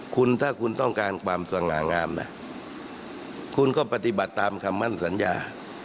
คุณถ้าคุณต้องการความสง่างามนะคุณก็ปฏิบัติตามคำมั่นสัญญา